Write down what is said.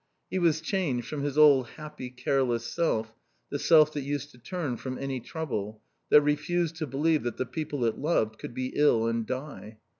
He was changed from his old happy, careless self, the self that used to turn from any trouble, that refused to believe that the people it loved could be ill and die.